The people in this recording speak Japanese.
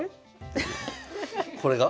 これが？